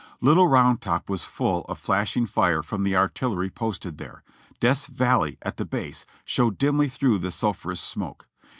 Little Round Top was full of flashing fire from the artillery posted there ; Death's Valley, at the base, showed dimly through the sulphurous smoke.